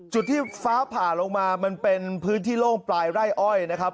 จุดที่ฟ้าผ่าลงมามันเป็นพื้นที่โล่งปลายไร่อ้อยนะครับ